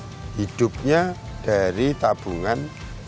dan hidupnya orang yang kadang kadang menjualnya